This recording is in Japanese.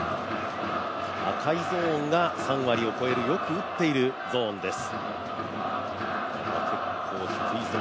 赤いゾーンが３割を超えるよく打っているゾーンです。